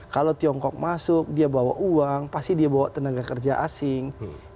kalau tiongkok masuk dia bawa uang pasti dia bawa tenaga kerja asing